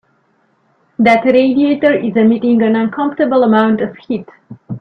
That radiator is emitting an uncomfortable amount of heat.